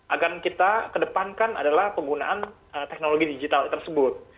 agar kita kedepankan adalah penggunaan teknologi digital tersebut